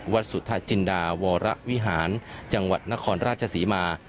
สุธาจินดาวรวิหารจังหวัดนครราชศรีมา